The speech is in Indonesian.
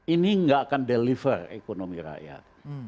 ini nggak akan deliver ekonomi rakyat